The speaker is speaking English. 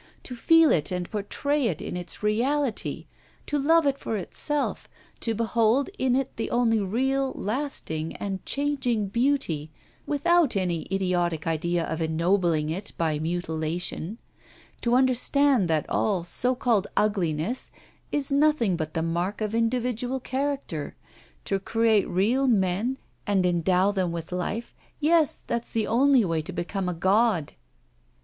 to feel it and portray it in its reality, to love it for itself, to behold in it the only real, lasting, and changing beauty, without any idiotic idea of ennobling it by mutilation. To understand that all so called ugliness is nothing but the mark of individual character, to create real men and endow them with life yes, that's the only way to become a god!